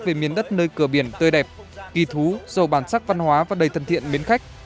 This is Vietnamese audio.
về miền đất nơi cửa biển tươi đẹp kỳ thú dầu bản sắc văn hóa và đầy thân thiện mến khách